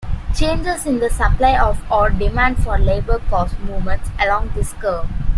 Changes in the supply of or demand for labor cause movements along this curve.